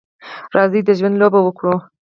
راځئ د ژوند لوبه وکړو.